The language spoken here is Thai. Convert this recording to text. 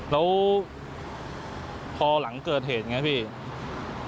แล้วพอหลังเกิดเหตุอย่างนี้พี่